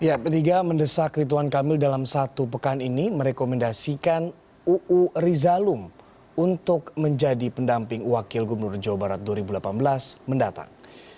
ya p tiga mendesak rituan kamil dalam satu pekan ini merekomendasikan uu rizalum untuk menjadi pendamping wakil gubernur jawa barat dua ribu delapan belas mendatang